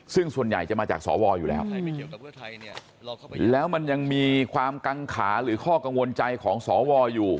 ซึ่งส่วนใหญ่จะมาจากสวอยู่แล้วแล้วมันยังมีความกังขาหรือข้อกังวลใจของสวอยู่